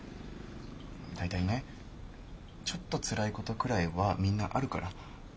大体ねちょっとつらいことくらいはみんなあるから。